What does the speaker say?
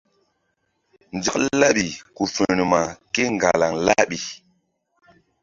Nzak laɓi ku firma kéŋgalaŋ laɓi.